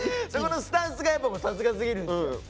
そこのスタンスがやっぱもうさすがすぎるんですよ。